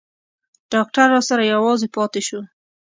ډاکتر راسره يوازې پاته سو.